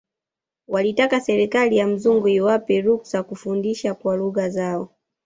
Walitaka serikali ya mzungu iwape ruksa kufundisha kwa lugha zao